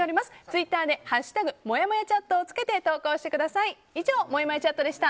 ツイッターで「＃もやもやチャット」をつけて投稿してください。